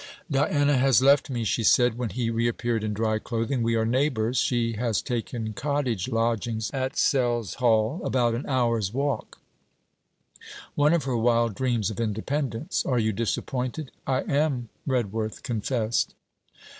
'Diana has left me,' she said, when he reappeared in dry clothing. 'We are neighbours; she has taken cottage lodgings at Selshall, about an hour's walk: one of her wild dreams of independence. Are you disappointed?' 'I am,' Redworth confessed.